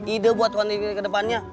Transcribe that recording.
ide buat tuhan diri ke depannya malah tidur